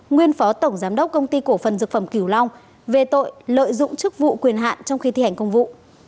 nguyên phó tổng giám đốc công ty cổ phần dược phẩm kiều long về tội lợi dụng chức vụ quyền hạn trong khi thi hành công vụ